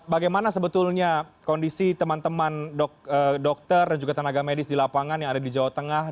bagaimana sebetulnya kondisi teman teman dokter dan juga tenaga medis di lapangan yang ada di jawa tengah